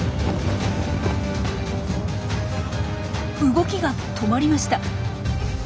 動きが止まりました。